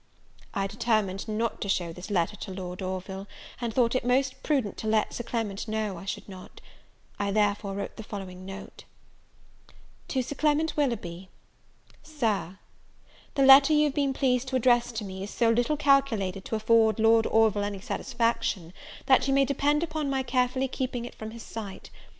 I determined not to show this letter to Lord Orville, and thought it most prudent to let Sir Clement know I should not. I therefore wrote the following note: "To Sir Clement Willoughby. "SIR, "The letter you have been pleased to address to me, is so little calculated to afford Lord Orville any satisfaction, that you may depend upon my carefully keeping it from his sight.